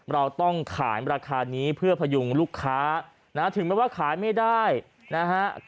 เราต้องขายราคานี้เพื่อพยุงลูกค้านะถึงแม้ว่าขายไม่ได้นะฮะ